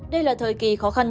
đây là thời kỳ khó khăn